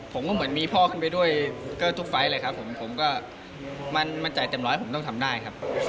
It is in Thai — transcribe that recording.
ผมก็เหมือนมีพ่อขึ้นไปด้วยก็ทุกไฟล์เลยครับผมผมก็มันจ่ายเต็มร้อยผมต้องทำได้ครับ